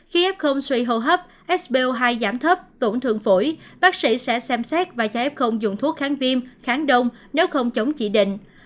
khi ép không suy hồ hấp sbo hai giảm thấp tổn thường phổi bác sĩ sẽ xem xét và cho ép không dùng thuốc kháng viêm kháng đông nếu không chống chỉ định